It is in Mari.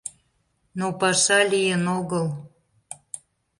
Но паша лийын огыл.